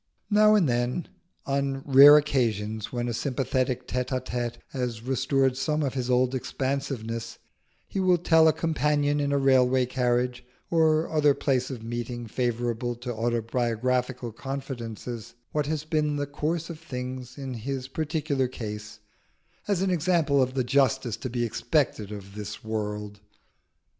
Now and then, on rare occasions, when a sympathetic tête à tête has restored some of his old expansiveness, he will tell a companion in a railway carriage, or other place of meeting favourable to autobiographical confidences, what has been the course of things in his particular case, as an example of the justice to be expected of the world.